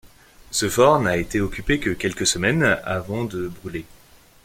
Ce fort n'a été occupé que quelques semaines, avant de brûler.